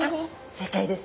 正解です。